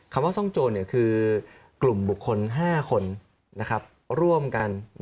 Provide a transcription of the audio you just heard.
คำว่าซ่องโจรคือกลุ่มบุคคล๕คนร่วมกัน